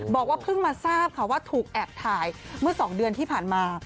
บอกว่าเพิ่งมาทราบค่ะว่าถูกแอบถ่ายเมื่อ๒เดือนที่ผ่านมา